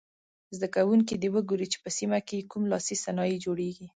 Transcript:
زده کوونکي دې وګوري چې په سیمه کې یې کوم لاسي صنایع جوړیږي.